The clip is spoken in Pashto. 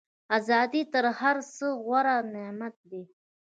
ازادي تر هر څه غوره نعمت دی.